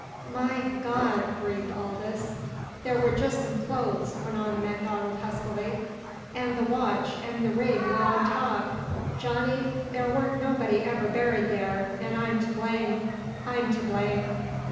_" "My God!" breathed Aldous. "There were just some clothes," went on MacDonald huskily, "an' the watch an' the ring were on top. Johnny, there weren't nobody ever buried there, an' I'm to blame I'm to blame."